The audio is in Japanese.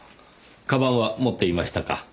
鞄は持っていましたか？